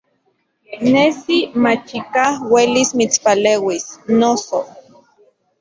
Nesi machikaj uelis mitspaleuis, noso.